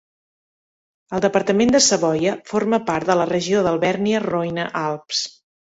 El departament de Savoia forma part de la regió d'Alvèrnia-Roine-Alps.